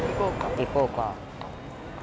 行こうか。